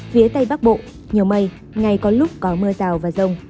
phía tây bắc bộ nhiều mây ngày có lúc có mưa rào và rông